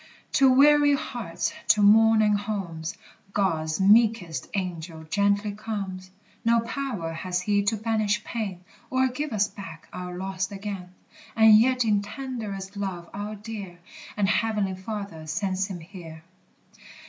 To weary hearts, to mourning homes, God's meekest Angel gently comes: No power has he to banish pain, Or give us back our lost again; And yet in tenderest love our dear And heavenly Father sends him here.